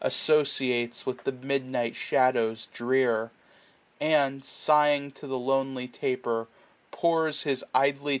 Associates with the midnight shadows drear ; And, sighing to the lonely taper, pours His idly.